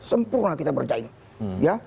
sempurna kita berjaya